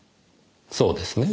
そうですね？